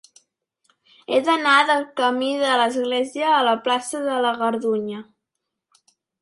He d'anar del camí de l'Església a la plaça de la Gardunya.